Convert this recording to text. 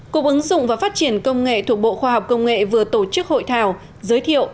cục ứng dụng và phát triển công nghệ thuộc bộ khoa học công nghệ vừa tổ chức hội thảo giới thiệu